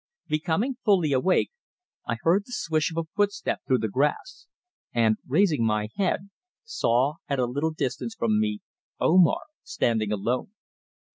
Becoming fully awake, I heard the swish of a footstep through the grass, and, raising my head, saw at a little distance from me Omar, standing alone.